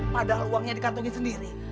padahal uangnya dikantungin sendiri